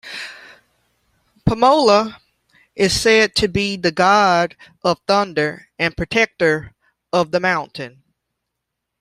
Pamola is said to be the god of Thunder and protector of the mountain.